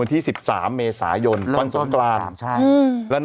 ไม่พี่เห็นนานแล้ว